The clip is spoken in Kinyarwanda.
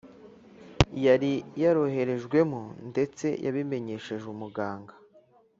yari yaroherejwemo ndetse yabimenyesheje umuganga